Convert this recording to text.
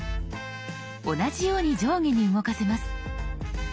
同じように上下に動かせます。